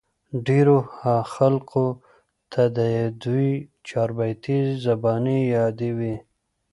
ډېرو خلقو ته د دوي چاربېتې زباني يادې وې